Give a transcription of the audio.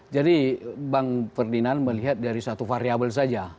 jadi bang ferdinand melihat dari satu variable saja